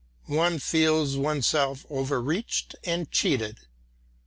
One feels oneself overreached and cheated.